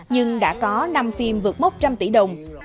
nhưng đã có năm phim vượt mốc trăm tỷ đồng